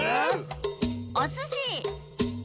おすし！